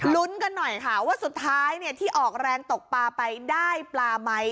รุ้นกันหน่อยค่ะว่าสุดท้ายเนี่ยที่ออกแรงตกปลาไปได้ปลามั้ย